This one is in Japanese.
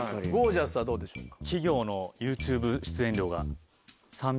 ジャスはどうでしょうか？